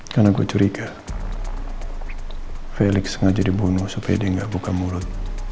karena gue curiga felix sengaja dibunuh supaya dia gak buka mulut